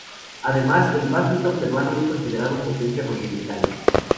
Además, el bádminton peruano es considerado potencia continental.